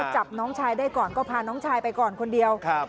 จับน้องชายได้ก่อนก็พาน้องชายไปก่อนคนเดียว